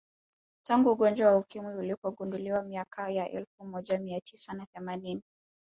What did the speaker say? Tangu ugonjwa wa Ukimwi ulipogunduliwa miaka ya elfu moja mia tisa na themanini